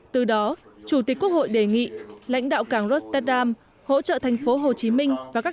từ đó chủ tịch quốc hội đề nghị lãnh đạo cảng rosteddam hỗ trợ thành phố hồ chí minh và các